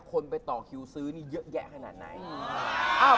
คนไปต่อคิวซื้อนี่เยอะแยะขนาดไหน